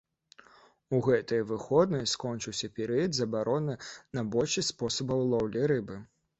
У гэтыя выходныя скончыўся перыяд забароны на большасць спосабаў лоўлі рыбы.